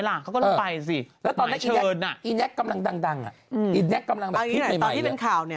ตอนที่เป็นข่าว